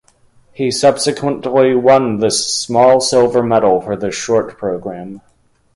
He subsequently won the small silver medal for the short program.